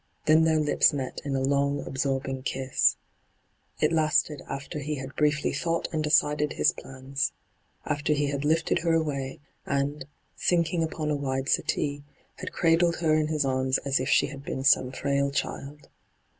Then their lips met in a long, absorbing kiss, D,gt,, 6rtbyGOOglC no ENTRAPPED It lasted after he had biiefly thought and decided his phins — after he had lifted her away, and, sinking upon a wide settee, had cradled her in his arms as if she had been some frail child.